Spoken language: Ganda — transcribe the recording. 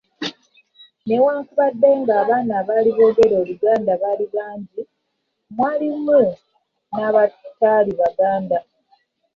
"Newankubadde nga abaana abaali boogera Oluganda baali bangi, mwalimu n’abataali Baganda."